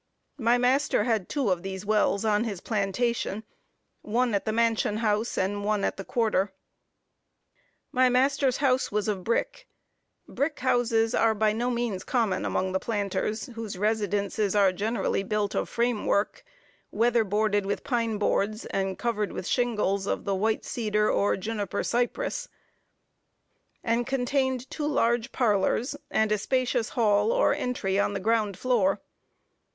My master had two of these wells on his plantation one at the mansion house, and one at the quarter. My master's house was of brick, (brick houses are by no means common among the planters, whose residences are generally built of frame work, weather boarded with pine boards, and covered with shingles of the white cedar or juniper cypress,) and contained two large parlors, and a spacious hall or entry on the ground floor.